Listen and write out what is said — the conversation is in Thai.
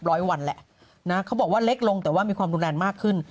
ร้อยวันแหละนะเขาบอกว่าเล็กลงแต่ว่ามีความรุนแรงมากขึ้น